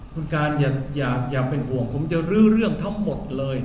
คุณการอย่าเป็นห่วงผมจะรื้อเรื่องทั้งหมดเลย